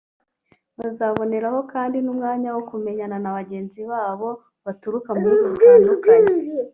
Bazaboneraho kandi n’umwanya wo kumenyana na bagenzi babo baturuka mu bihugu bitandukanye